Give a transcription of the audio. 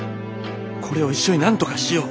これを一緒になんとかしよう！